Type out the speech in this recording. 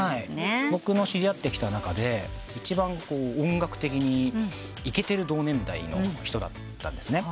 僕の知り合ってきた中で一番音楽的にイケてる同年代の人だったんです。